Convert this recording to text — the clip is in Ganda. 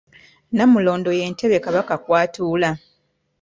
Nnamulondo ye ntebe Kabaka kw'atuula.